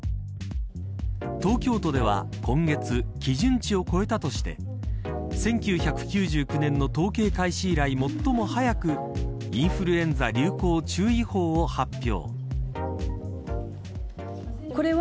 東京都では、今月基準値を超えたとして１９９９年の統計開始以来最も早くインフルエンザ流行注意報を発表。